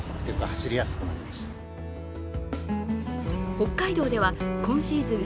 北海道では今シーズン